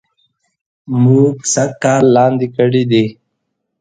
مونږ سږ کال لاندي کړي دي